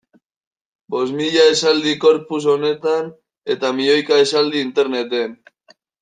Bost mila esaldi corpus honetan eta milioika esaldi interneten.